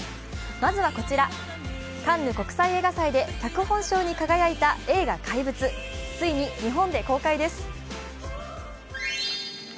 まずはこちら、カンヌ国際映画祭で脚本賞に輝いた、映画「怪物」、ついに日本で公開です。